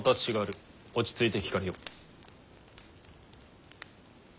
落ち着いて聞かれよ。